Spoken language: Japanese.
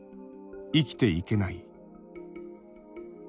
「生きていけない」。